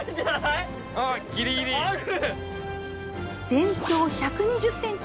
全長１２０ｃｍ！